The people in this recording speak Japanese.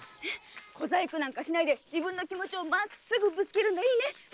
小細工しないで自分の気持ちをまっすぐぶつけるんだいいね。